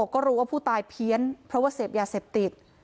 ก็รู้ว่าผู้ตายเพี้ยนเพราะว่าเสพยาเสพติด